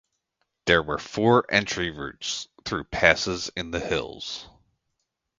There were four entry routes through passes in the hills.